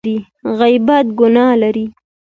غیبت ګناه لري !